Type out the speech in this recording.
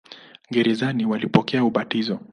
Gerezani walipokea ubatizo.